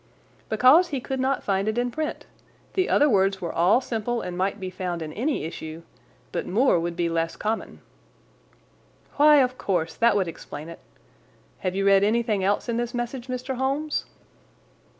"Because he could not find it in print. The other words were all simple and might be found in any issue, but 'moor' would be less common." "Why, of course, that would explain it. Have you read anything else in this message, Mr. Holmes?"